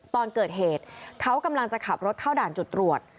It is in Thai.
ตอนเกิดเหตุเขากำลังจะขับรถเข้าด่านจุดตรวจ